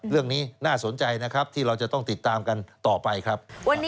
เรื่องนี้น่าสนใจนะครับที่เราจะต้องติดตามกันต่อไปครับ